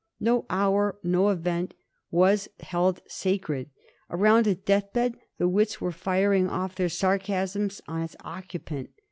No hour, no event, was held sacred. Around a death bed the wits were firing off their sarcasms on its occupant.